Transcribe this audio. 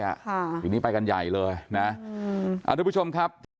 ผิดคันด้วยอ่ะอย่างนี้ไปกันใหญ่เลยนะทุกผู้ชมครับ